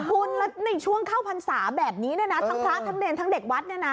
คุณแล้วในช่วงเข้าพรรษาแบบนี้เนี่ยนะทั้งพระทั้งเนรทั้งเด็กวัดเนี่ยนะ